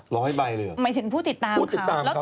หมายถึงผู้ติดตามเขา